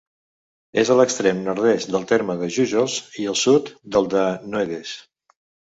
És a l'extrem nord-est del terme de Jújols i al sud del de Noedes.